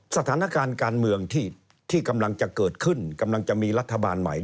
สถานการณ์การเมืองที่กำลังจะเกิดขึ้นกำลังจะมีรัฐบาลใหม่